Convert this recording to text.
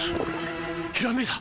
ひらめいた！